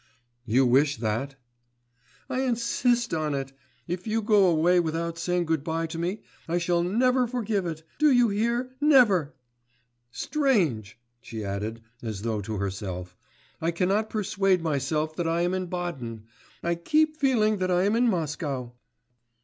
'You wish that?' 'I insist on it. If you go away without saying good bye to me, I shall never forgive it, do you hear, never! Strange!' she added as though to herself, 'I cannot persuade myself that I am in Baden.... I keep feeling that I am in Moscow....